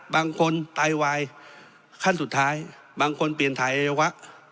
บางคนไตวายขั้นสุดท้ายบางคนเปลี่ยนถ่ายอัยวะ